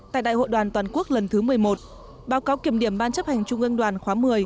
tại đại hội đoàn toàn quốc lần thứ một mươi một báo cáo kiểm điểm ban chấp hành trung ương đoàn khóa một mươi